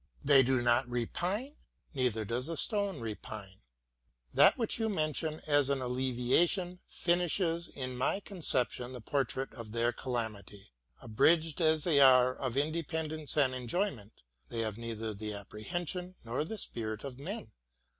They do not repine ? Neither does a stone repine. That which you mention as an alleviation finishes in my conception the portrait of their calamity. Abridged as they are of independence and enjoyment, they have neither the apprehension nor the spirit of men.